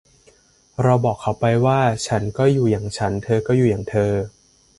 เราบอกเขาไปว่า ฉันก็อยู่อย่างฉัน เธอก็อยู่อย่างเธอ